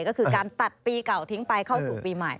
ก็คือการตัดปีเก่าทิ้งไปเข้าสู่ปีใหม่